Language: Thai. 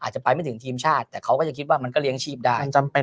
ไขล่ไม่ถึงทีมชาติแต่มันก็เรียงชีพได้